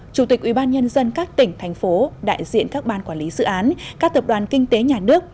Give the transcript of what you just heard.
chủ tịch ubnd các tỉnh thành phố đại diện các ban quản lý dự án các tập đoàn kinh tế nhà nước